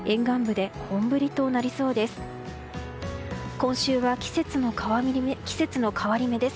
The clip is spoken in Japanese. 今週は季節の変わり目です。